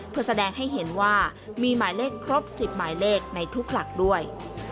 เพื่อแสดงให้เห็นว่ามีหมายเลขครบ๑๐หมายเลขในทุกหลักด้วย